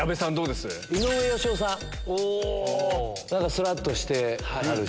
すらっとしてはるし。